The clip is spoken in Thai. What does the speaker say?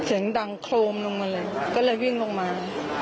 เสียงดังโครมลงมาเลยก็เลยวิ่งลงมา